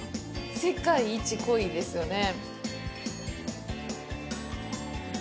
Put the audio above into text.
「世界一濃い」ですよね。